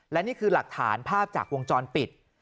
และนี่คือหลักฐานภาพจากวงจรปิด